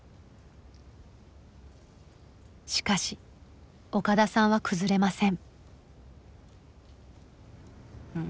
しかし岡田さんは崩れません。